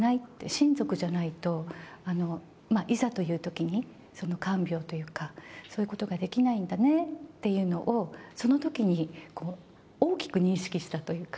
親族じゃないと、いざというときに、看病というか、そういうことができないんだねっていうのを、そのときに大きく認識したというか。